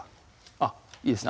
あっいいですね